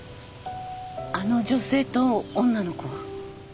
あの女性と女の子は？